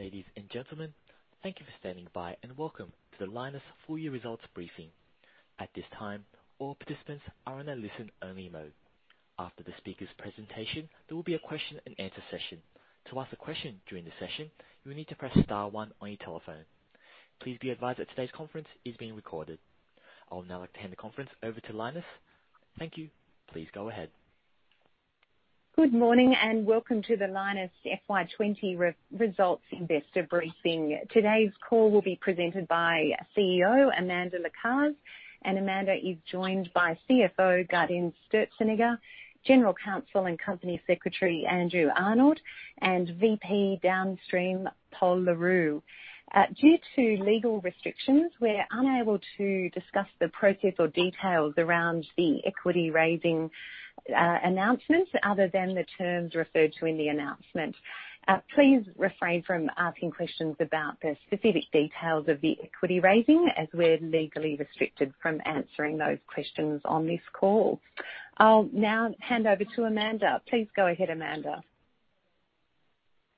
Ladies and gentlemen, thank you for standing by and welcome to the Lynas full year results briefing. At this time, all participants are in a listen-only mode. After the speaker's presentation, there will be a question-and-answer session. To ask a question during the session, you will need to press star one on your telephone. Please be advised that today's conference is being recorded. I would now like to hand the conference over to Lynas. Thank you. Please go ahead. Good morning, and welcome to the Lynas FY20 results investor briefing. Today's call will be presented by CEO, Amanda Lacaze, and Amanda is joined by CFO, Gaudenz Sturzenegger, General Counsel and Company Secretary, Andrew Arnold, and VP Downstream, Pol Le Roux. Due to legal restrictions, we're unable to discuss the process or details around the equity raising announcement, other than the terms referred to in the announcement. Please refrain from asking questions about the specific details of the equity raising, as we're legally restricted from answering those questions on this call. I'll now hand over to Amanda. Please go ahead, Amanda.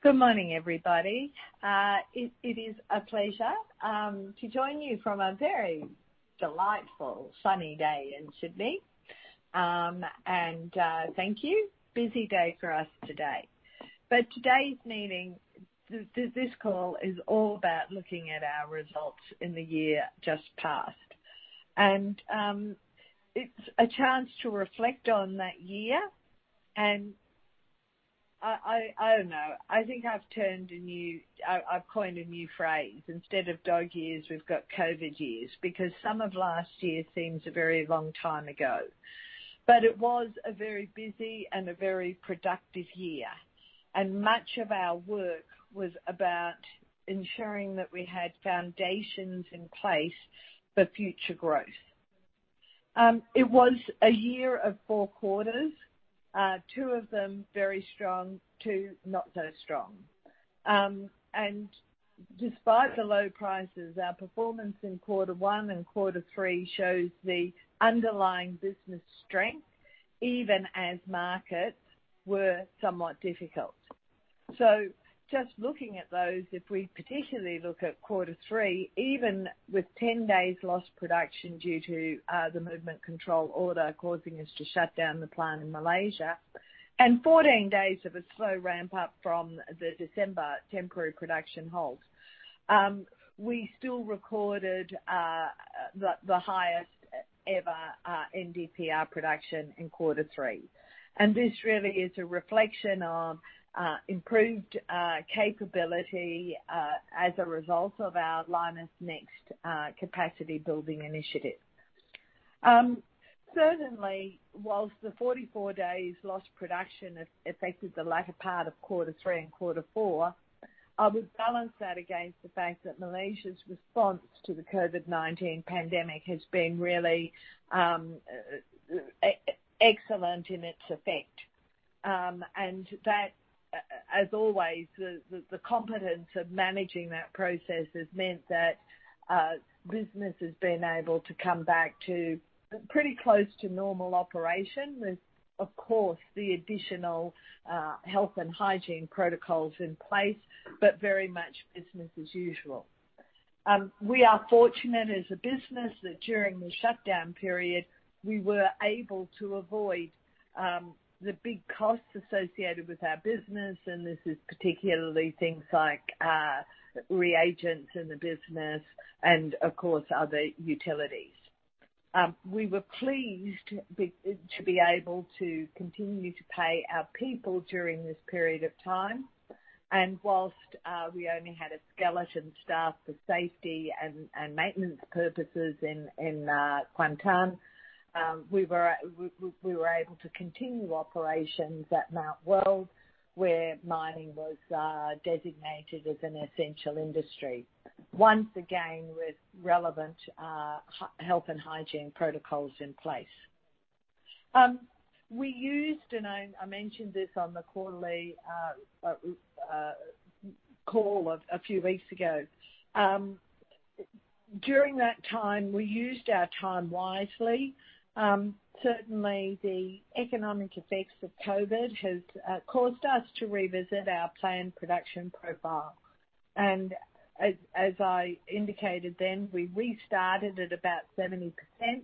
Good morning, everybody. It is a pleasure to join you from a very delightful, sunny day in Sydney. And thank you. Busy day for us today. But today's meeting, this call is all about looking at our results in the year just passed. And it's a chance to reflect on that year, and I don't know. I think I've turned a new... I've coined a new phrase. Instead of dog years, we've got COVID years, because some of last year seems a very long time ago. But it was a very busy and a very productive year, and much of our work was about ensuring that we had foundations in place for future growth. It was a year of four quarters, two of them very strong, two not so strong. And despite the low prices, our performance in quarter one and quarter three shows the underlying business strength, even as markets were somewhat difficult. So just looking at those, if we particularly look at quarter three, even with 10 days lost production due to the Movement Control Order, causing us to shut down the plant in Malaysia, and 14 days of a slow ramp-up from the December temporary production halt, we still recorded the highest ever NdPr production in quarter three. And this really is a reflection of improved capability as a result of our Lynas Next capacity building initiative. Certainly, while the 44 days lost production affected the latter part of quarter three and quarter four, I would balance that against the fact that Malaysia's response to the COVID-19 pandemic has been really excellent in its effect. And that, as always, the competence of managing that process has meant that business has been able to come back to pretty close to normal operation, with, of course, the additional health and hygiene protocols in place, but very much business as usual. We are fortunate as a business that during the shutdown period, we were able to avoid the big costs associated with our business, and this is particularly things like reagents in the business and of course, other utilities. We were pleased to be able to continue to pay our people during this period of time, and while we only had a skeleton staff for safety and maintenance purposes in Kuantan, we were able to continue operations at Mount Weld, where mining was designated as an essential industry. Once again, with relevant health and hygiene protocols in place. We used, and I mentioned this on the quarterly call a few weeks ago. During that time, we used our time wisely. Certainly, the economic effects of COVID has caused us to revisit our planned production profile. And as I indicated then, we restarted at about 70%.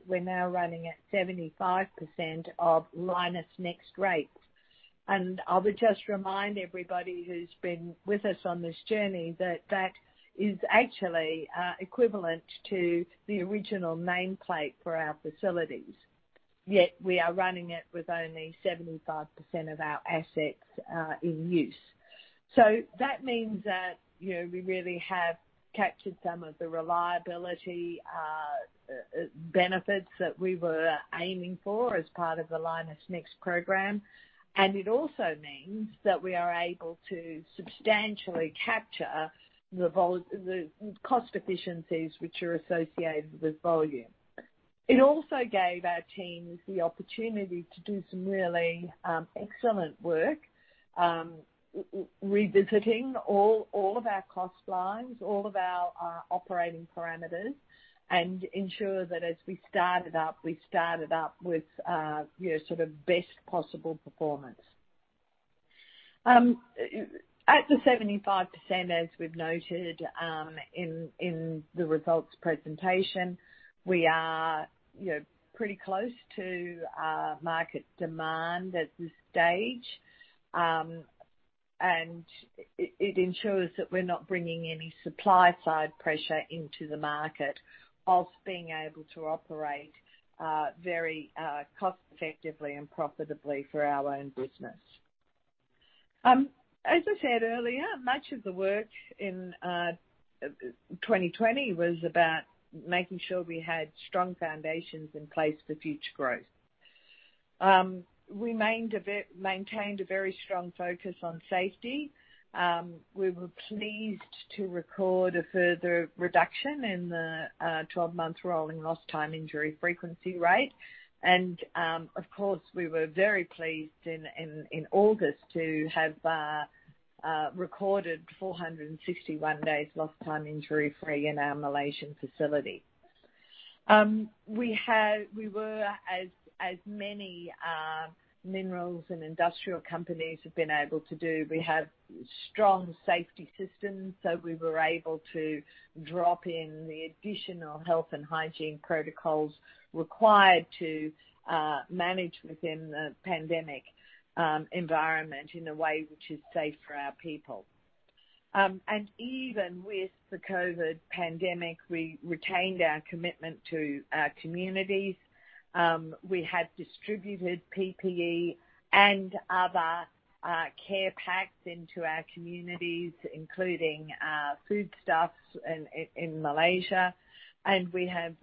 We're now running at 75% of Lynas Next rates. I would just remind everybody who's been with us on this journey, that that is actually equivalent to the original nameplate for our facilities, yet we are running it with only 75% of our assets in use. So that means that, you know, we really have captured some of the reliability benefits that we were aiming for as part of the Lynas Next program. It also means that we are able to substantially capture the cost efficiencies which are associated with volume. It also gave our teams the opportunity to do some really excellent work, revisiting all of our cost lines, all of our operating parameters, and ensure that as we started up, we started up with, you know, sort of best possible performance. At the 75%, as we've noted, in the results presentation, we are, you know, pretty close to market demand at this stage. And it ensures that we're not bringing any supply side pressure into the market of being able to operate very cost effectively and profitably for our own business. As I said earlier, much of the work in 2020 was about making sure we had strong foundations in place for future growth. We maintained a very strong focus on safety. We were pleased to record a further reduction in the 12-month rolling Lost Time Injury Frequency Rate. And, of course, we were very pleased in August to have recorded 461 days Lost Time Injury Free in our Malaysian facility. We were, as many minerals and industrial companies have been able to do, we have strong safety systems, so we were able to drop in the additional health and hygiene protocols required to manage within the pandemic environment in a way which is safe for our people. Even with the COVID pandemic, we retained our commitment to our communities. We have distributed PPE and other care packs into our communities, including food stuffs in Malaysia. We have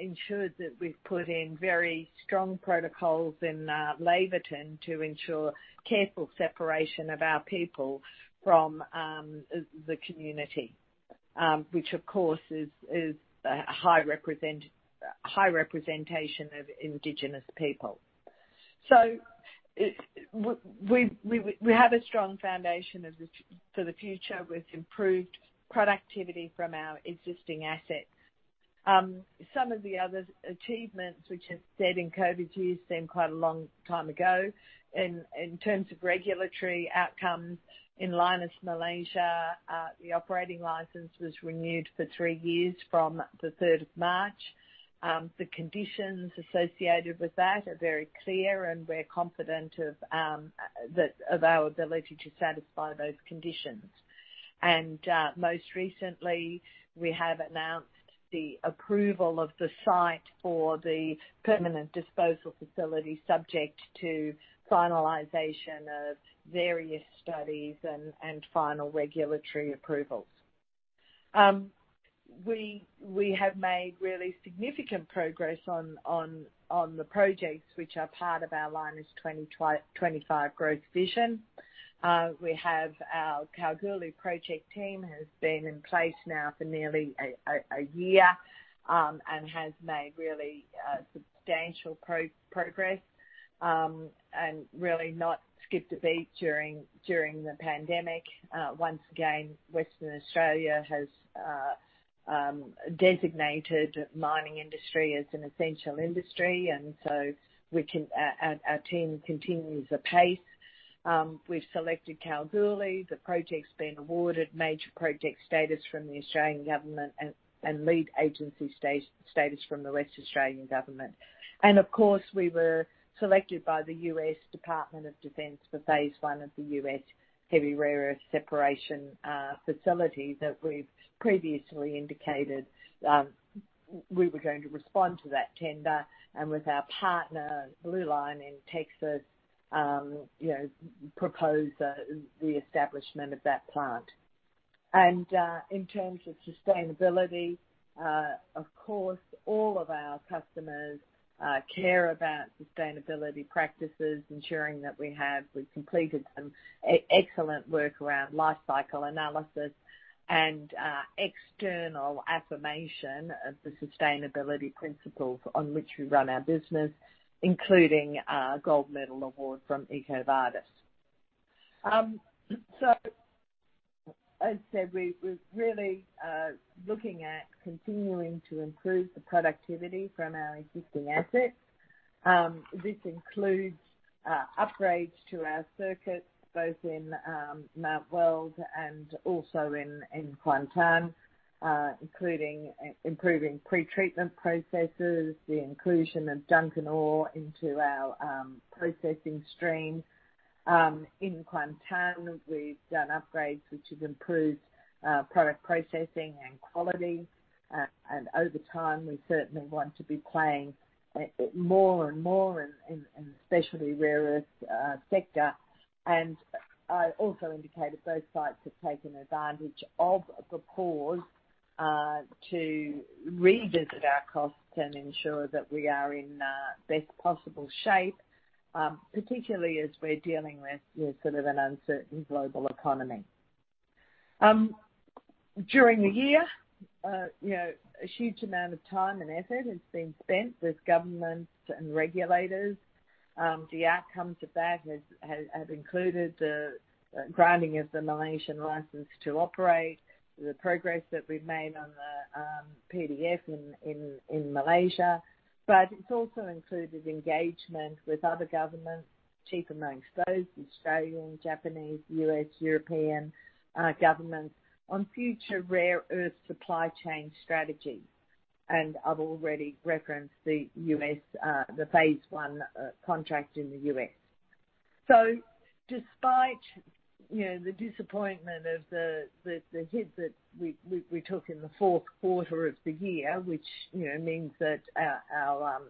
ensured that we've put in very strong protocols in Laverton to ensure careful separation of our people from the community, which of course is a high representation of Indigenous people. We have a strong foundation for the future with improved productivity from our existing assets. Some of the other achievements, which as said in COVID, seems quite a long time ago. In terms of regulatory outcomes in Lynas, Malaysia, the operating license was renewed for three years from the third of March. The conditions associated with that are very clear, and we're confident of our ability to satisfy those conditions. And most recently, we have announced the approval of the site for the Permanent Disposal Facility, subject to finalization of various studies and final regulatory approvals. We have made really significant progress on the projects which are part of our Lynas 2025 growth vision. We have our Kalgoorlie project team has been in place now for nearly a year, and has made really substantial progress, and really not skipped a beat during the pandemic. Once again, Western Australia has designated mining industry as an essential industry, and so we can our team continues apace. We've selected Kalgoorlie. The project's been awarded Major Project Status from the Australian G overnment and Lead Agency Status from the Western Australian Government. And of course, we were selected by the U.S. Department of Defense for phase one of the U.S. heavy rare earth separation facility that we've previously indicated. We were going to respond to that tender and with our partner, Blue Line in Texas, you know, propose the establishment of that plant. In terms of sustainability, of course, all of our customers care about sustainability practices, ensuring that we have, we've completed some excellent work around life cycle analysis and external affirmation of the sustainability principles on which we run our business, including a gold medal award from EcoVadis. So as I said, we're really looking at continuing to improve the productivity from our existing assets. This includes upgrades to our circuits, both in Mount Weld and also in Kuantan, including improving pretreatment processes, the inclusion of Duncan ore into our processing stream. In Kuantan, we've done upgrades, which have improved product processing and quality. And over time, we certainly want to be playing more and more in the specialty rare earth sector. And I also indicated both sites have taken advantage of the pause to revisit our costs and ensure that we are in best possible shape, particularly as we're dealing with, you know, sort of an uncertain global economy. During the year, you know, a huge amount of time and effort has been spent with governments and regulators. The outcomes of that have included the granting of the Malaysian license to operate, the progress that we've made on the PDF in Malaysia. But it's also included engagement with other governments, chief amongst those, the Australian, Japanese, U.S., European governments, on future rare earth supply chain strategy. And I've already referenced the U.S., the phase one contract in the U.S. So despite, you know, the disappointment of the hit that we took in the fourth quarter of the year, which, you know, means that our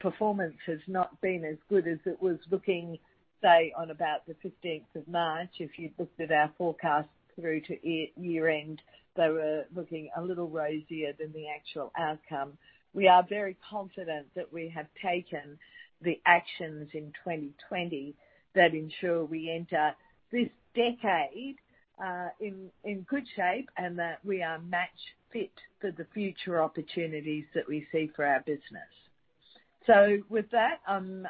performance has not been as good as it was looking, say, on about the fifteenth of March. If you'd looked at our forecast through to year end, they were looking a little rosier than the actual outcome. We are very confident that we have taken the actions in 2020, that ensure we enter this decade in good shape, and that we are match fit for the future opportunities that we see for our business. So with that, I'm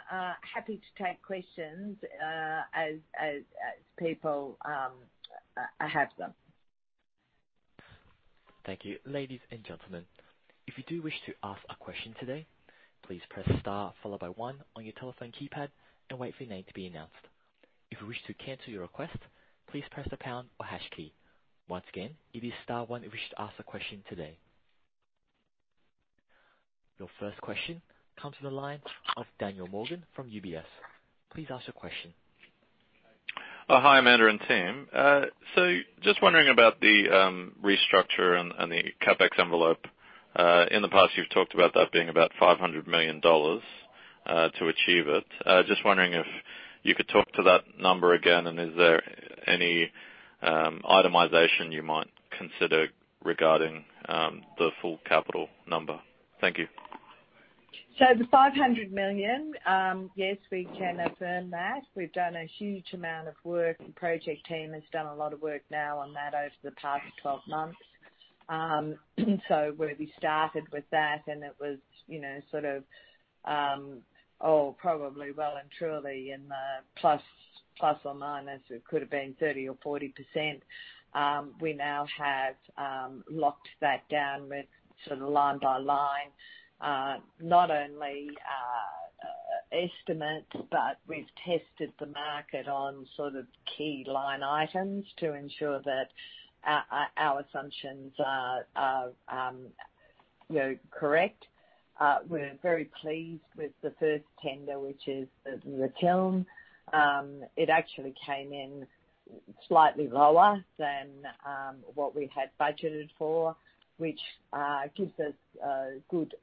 happy to take questions, as people have them. Thank you. Ladies and gentlemen, if you do wish to ask a question today, please press star followed by one on your telephone keypad and wait for your name to be announced. If you wish to cancel your request, please press the pound or hash key. Once again, it is star one if you wish to ask a question today. Your first question comes to the line of Daniel Morgan from UBS. Please ask your question. Hi, Amanda and team. So just wondering about the restructure and the CapEx envelope. In the past, you've talked about that being about 500 million dollars to achieve it. Just wondering if you could talk to that number again, and is there any itemization you might consider regarding the full capital number? Thank you. So the 500 million, yes, we can affirm that. We've done a huge amount of work. The project team has done a lot of work now on that over the past 12 months. So where we started with that, and it was, you know, sort of, oh, probably well and truly in the plus or minus, it could have been 30% or 40%. We now have locked that down with sort of line by line, not only estimates, but we've tested the market on sort of key line items to ensure that our assumptions are, you know, correct. We're very pleased with the first tender, which is the kiln. It actually came in slightly lower than what we had budgeted for, which gives us a good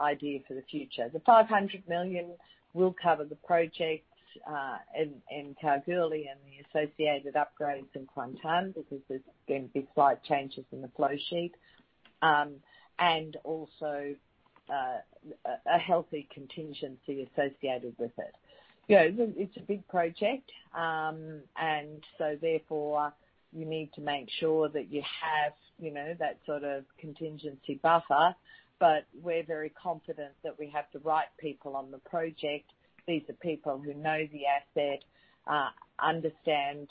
idea for the future. The 500 million will cover the project in Kalgoorlie and the associated upgrades in Kuantan, because there's going to be slight changes in the flow sheet. And also, a healthy contingency associated with it. You know, it's a big project, and so therefore, you need to make sure that you have, you know, that sort of contingency buffer. But we're very confident that we have the right people on the project. These are people who know the asset, understand,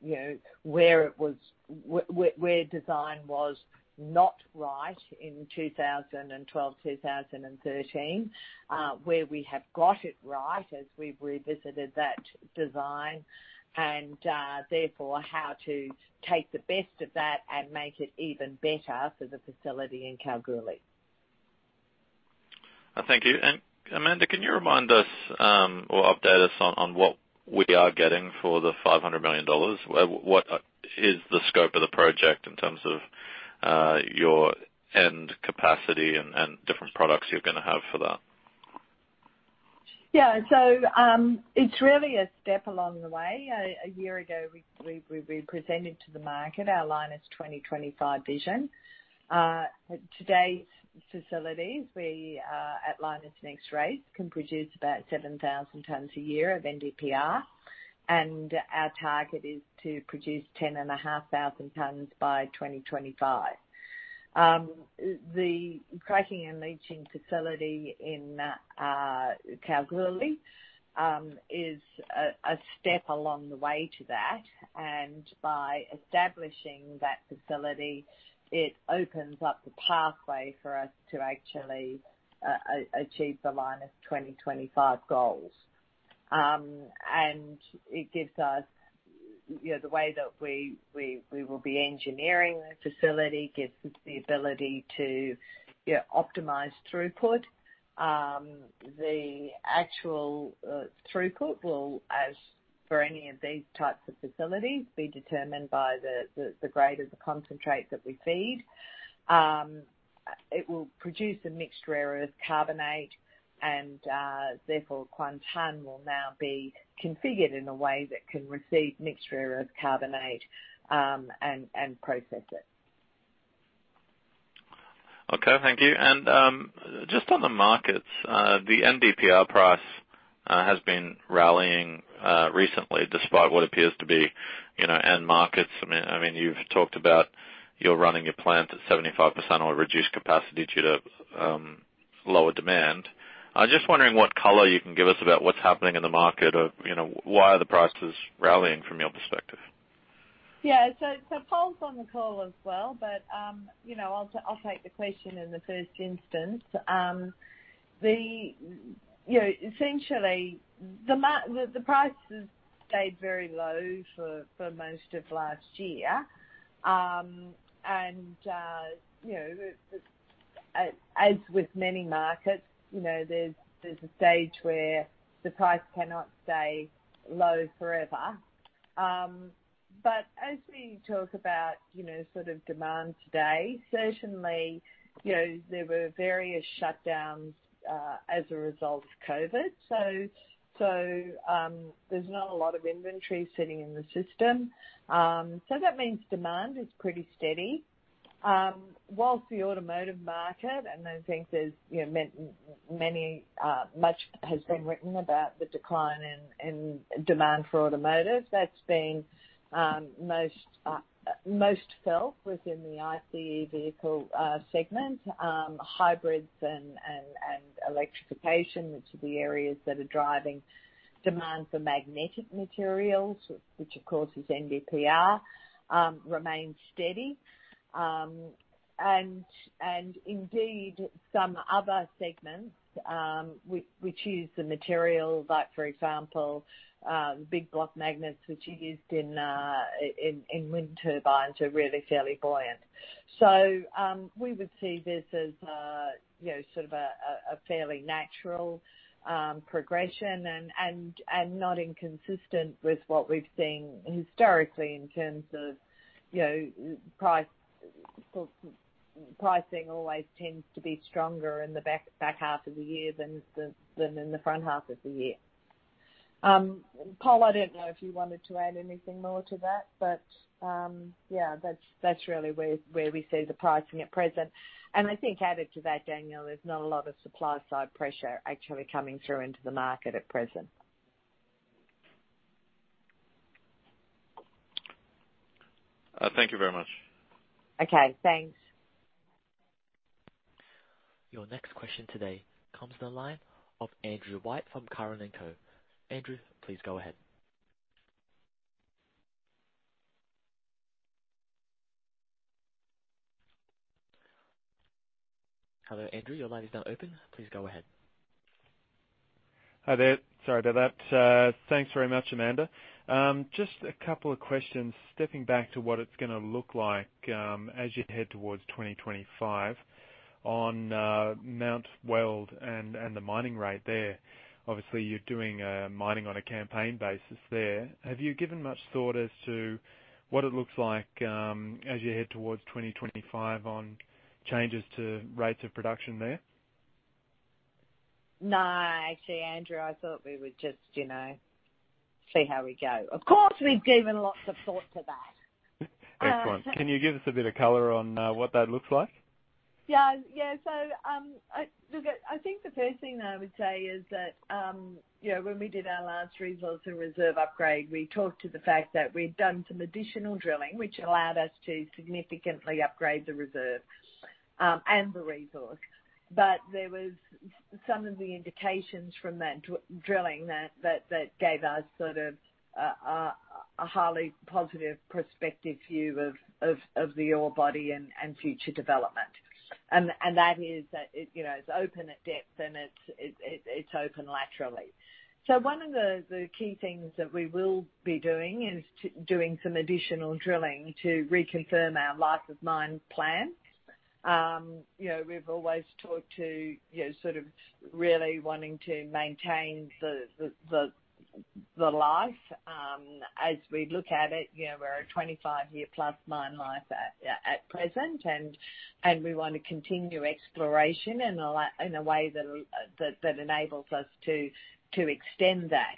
you know, where the design was not right in 2012, 2013. Where we have got it right, as we've revisited that design, and therefore, how to take the best of that and make it even better for the facility in Kalgoorlie. Thank you. Amanda, can you remind us, or update us on what we are getting for the 500 million dollars? What is the scope of the project in terms of your end capacity and different products you're gonna have for that? Yeah. So, it's really a step along the way. A year ago, we presented to the market our Lynas 2025 vision. Today's facilities, at Lynas Next rate, can produce about 7,000 tons a year of NdPr, and our target is to produce 10,500 tons by 2025. The cracking and leaching facility in Kalgoorlie is a step along the way to that, and by establishing that facility, it opens up the pathway for us to actually achieve the Lynas 2025 goals. And it gives us, you know, the way that we will be engineering the facility, gives us the ability to, yeah, optimize throughput. The actual throughput will, as for any of these types of facilities, be determined by the grade of the concentrate that we feed. It will produce a mixed rare earth carbonate, and therefore, Kuantan will now be configured in a way that can receive mixed rare earth carbonate, and process it. Okay, thank you. And, just on the markets, the NdPr price has been rallying, recently, despite what appears to be, you know, end markets. I mean, I mean, you've talked about you're running your plant at 75% or reduced capacity due to, lower demand. I'm just wondering what color you can give us about what's happening in the market of, you know, why are the prices rallying from your perspective? Yeah. So, Paul's on the call as well, but, you know, I'll take the question in the first instance. You know, essentially, the prices stayed very low for most of last year. And, you know, as with many markets, you know, there's a stage where the price cannot stay low forever. But as we talk about, you know, sort of demand today, certainly, you know, there were various shutdowns as a result of COVID. So, there's not a lot of inventory sitting in the system. So that means demand is pretty steady. Whilst the automotive market, and I think there's, you know, many, much has been written about the decline in demand for automotive. That's been most felt within the ICE vehicle segment. Hybrids and electrification, which are the areas that are driving demand for magnetic materials, which of course is NdPr, remains steady. And indeed, some other segments, which use the material, like for example, big block magnets, which are used in wind turbines, are really fairly buoyant. So, we would see this as a, you know, sort of a fairly natural progression and not inconsistent with what we've seen historically in terms of, you know, price. Pricing always tends to be stronger in the back half of the year than in the front half of the year. Paul, I don't know if you wanted to add anything more to that, but, yeah, that's really where we see the pricing at present. I think added to that, Daniel, there's not a lot of supply side pressure actually coming through into the market at present. Thank you very much. Okay, thanks. Your next question today comes on the line of Andrew White from Curran & Co. Andrew, please go ahead. Hello, Andrew, your line is now open. Please go ahead. Hi there. Sorry about that. Thanks very much, Amanda. Just a couple of questions. Stepping back to what it's gonna look like, as you head towards 2025 on, Mount Weld and the mining rate there. Obviously, you're doing mining on a campaign basis there. Have you given much thought as to what it looks like, as you head towards 2025 on changes to rates of production there? No, actually, Andrew, I thought we would just, you know, see how we go. Of course, we've given lots of thought to that. Excellent. Can you give us a bit of color on what that looks like? Yeah. Yeah. So, look, I think the first thing I would say is that, you know, when we did our last resource and reserve upgrade, we talked to the fact that we'd done some additional drilling, which allowed us to significantly upgrade the reserve, and the resource. But there was some of the indications from that drilling that gave us sort of a highly positive prospective view of the ore body and future development. And that is that, you know, it's open at depth, and it's open laterally. So one of the key things that we will be doing is to doing some additional drilling to reconfirm our life of mine plan. You know, we've always talked to, you know, sort of really wanting to maintain the life. As we look at it, you know, we're a 25-year plus mine life at present, and we want to continue exploration in a way that that enables us to extend that.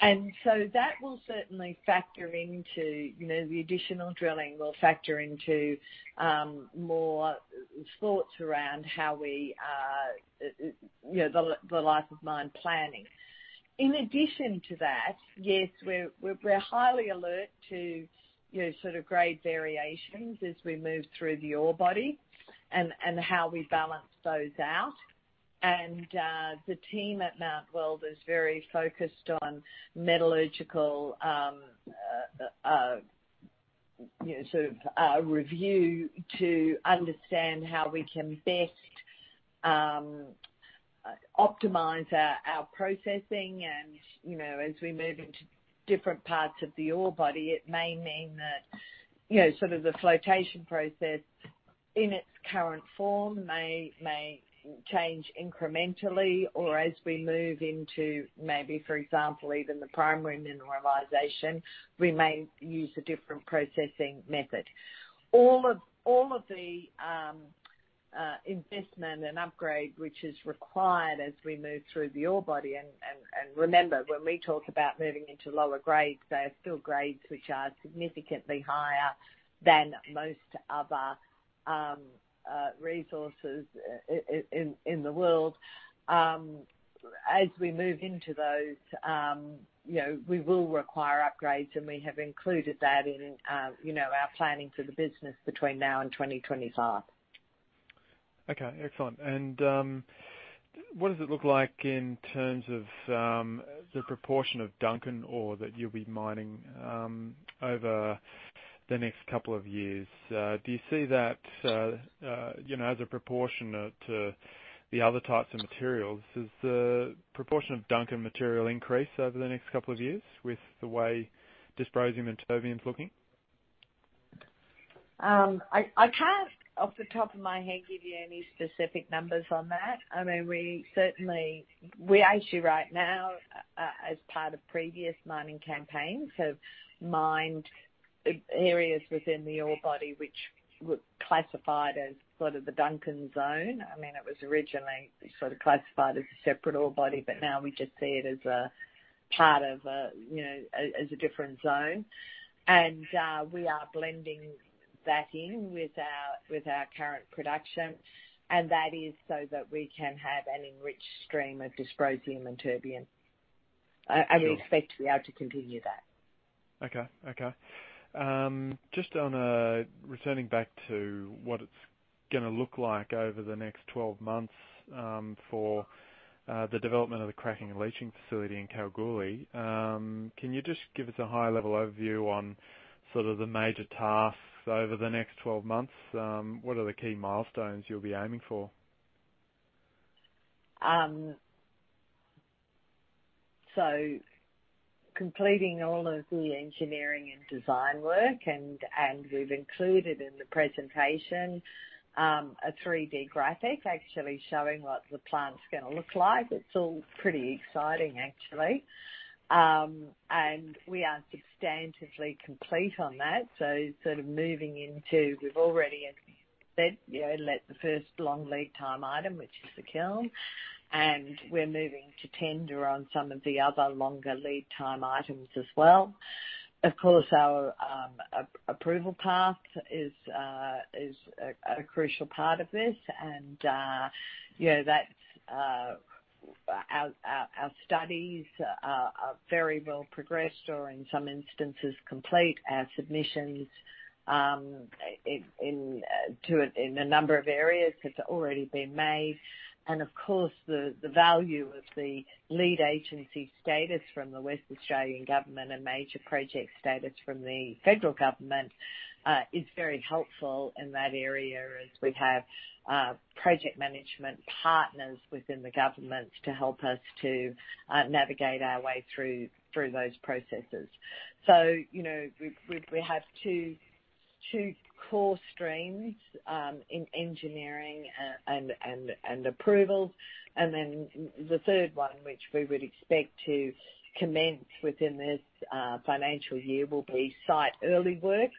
And so that will certainly factor into, you know, the additional drilling, will factor into more thoughts around how we you know the life of mine planning. In addition to that, yes, we're highly alert to, you know, sort of grade variations as we move through the ore body and how we balance those out. And the team at Mount Weld is very focused on metallurgical you know sort of review to understand how we can best optimize our processing. You know, as we move into different parts of the ore body, it may mean that, you know, sort of the flotation process in its current form may change incrementally, or as we move into maybe, for example, even the primary mineralization, we may use a different processing method. All of, all of the investment and upgrade, which is required as we move through the ore body. And remember, when we talk about moving into lower grades, they are still grades which are significantly higher than most other resources in the world. As we move into those, you know, we will require upgrades, and we have included that in, you know, our planning for the business between now and 2025. Okay, excellent. And what does it look like in terms of the proportion of Duncan ore that you'll be mining over the next couple of years? Do you see that, you know, as a proportion of to the other types of materials? Does the proportion of Duncan material increase over the next couple of years with the way dysprosium and terbium is looking? I can't off the top of my head give you any specific numbers on that. I mean, we certainly, we actually right now, as part of previous mining campaigns, have mined areas within the ore body which were classified as sort of the Duncan zone. I mean, it was originally sort of classified as a separate ore body, but now we just see it as a part of a, you know, as a different zone. And we are blending that in with our, with our current production, and that is so that we can have an enriched stream of dysprosium and terbium. Sure. We expect to be able to continue that. Okay. Okay. Just on returning back to what it's gonna look like over the next 12 months for the development of the cracking and leaching facility in Kalgoorlie. Can you just give us a high-level overview on sort of the major tasks over the next 12 months? What are the key milestones you'll be aiming for? So completing all of the engineering and design work, and we've included in the presentation a 3-D graphic actually showing what the plant's gonna look like. It's all pretty exciting, actually. And we are substantively complete on that. So sort of moving into... We've already, as said, you know, let the first long lead time item, which is the kiln, and we're moving to tender on some of the other longer lead time items as well. Of course, our approval path is a crucial part of this. And you know, that's our studies are very well progressed, or in some instances, complete. Our submissions in a number of areas, it's already been made. Of course, the value of the Lead Agency Status from the Western Australian Government and Major Project Status from the federal government is very helpful in that area as we have project management partners within the government to help us to navigate our way through those processes. So, you know, we have two core streams in engineering and approvals. And then the third one, which we would expect to commence within this financial year, will be site early works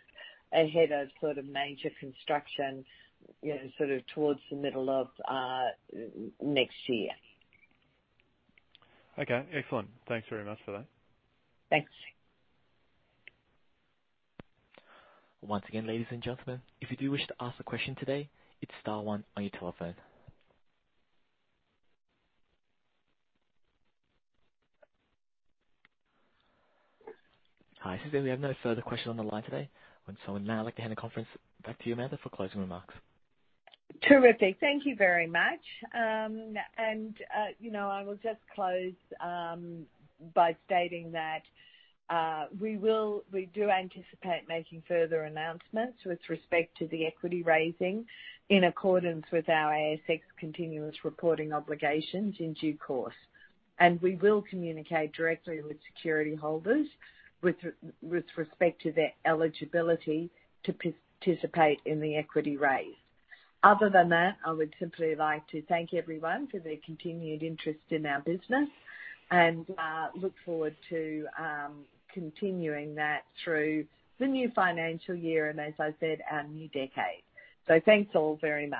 ahead of sort of major construction, you know, sort of towards the middle of next year. Okay, excellent. Thanks very much for that. Thanks. Once again, ladies and gentlemen, if you do wish to ask a question today, it's star one on your telephone. Hi, it says we have no further questions on the line today. And so I would now like to hand the conference back to you, Amanda, for closing remarks. Terrific. Thank you very much. You know, I will just close by stating that we do anticipate making further announcements with respect to the equity raising in accordance with our ASX continuous reporting obligations in due course. We will communicate directly with security holders with respect to their eligibility to participate in the equity raise. Other than that, I would simply like to thank everyone for their continued interest in our business and look forward to continuing that through the new financial year and, as I said, a new decade. Thanks, all, very much.